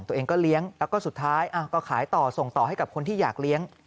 ตัวเองก็เลี้ยงแล้วก็สุดท้ายก็ขายต่อส่งต่อให้กับคนที่อยากเลี้ยง